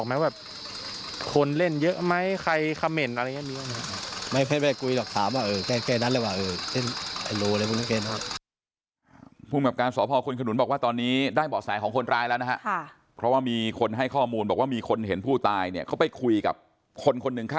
ไม่เคยไปคุยหรอกถามว่าเอ๊ะใกล้นั้นแหละว่าเอ๊ะ